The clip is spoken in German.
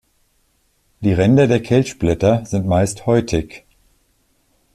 Die Ränder der Kelchblätter sind meist häutig.